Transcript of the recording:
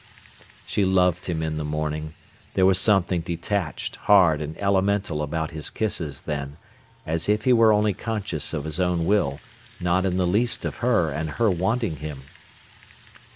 She loved him in the morning. There was something detached, hard, and elemental about his kisses then, as if he were only conscious of his own will, not in the least of her and her wanting him.